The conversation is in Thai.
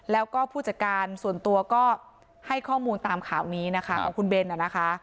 แล้วก็ผู้จัดการส่วนตัวก็ให้ข้อมูลตามข่าวนี้นะคะของคุณเบนนะคะ